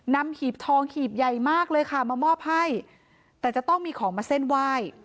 หีบทองหีบใหญ่มากเลยค่ะมามอบให้แต่จะต้องมีของมาเส้นไหว้